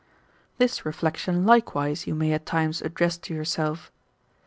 / This reflection, likewise, you may at times address to your self.